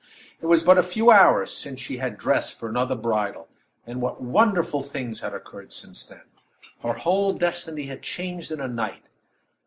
It was but a few hours since she had dressed for another bridal; and what wonderful things had occurred since then her whole destiny had changed in a night.